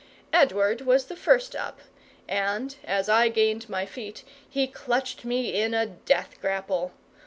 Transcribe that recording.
Edward was the first up, and, as I gained my feet, he clutched me in a death grapple.